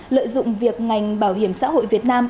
lợi dụng việc ngành bảo hiểm xã hội việt nam